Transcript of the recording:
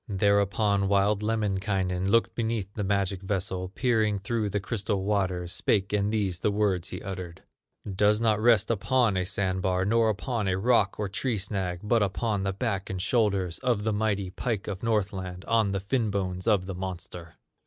Thereupon wild Lemminkainen Looked beneath the magic vessel, Peering through the crystal waters, Spake and these the words he uttered: "Does not rest upon a sand bar, Nor upon a rock, nor tree snag, But upon the back and shoulders Of the mighty pike of Northland, On the fin bones of the monster."